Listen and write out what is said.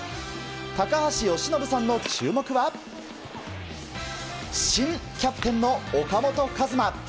高橋由伸さんの注目は新キャプテンの岡本和真。